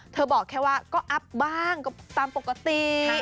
บอกแค่ว่าก็อัพบ้างก็ตามปกติ